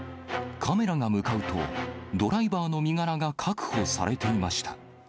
カメラが向かうと、ドライバーの身柄が確保されていました。